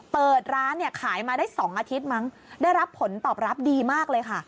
เปิดร้านเนี่ยขายมาได้๒อาทิตย์มั้งได้รับผลตอบรับดีมากเลยค่ะ